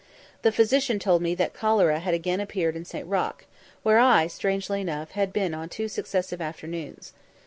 The physician told me that cholera had again appeared in St. Roch, where I, strangely enough, had been on two successive afternoons.